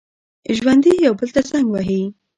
ژوندي یو بل ته زنګ وهي